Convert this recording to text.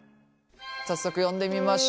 早速呼んでみましょう。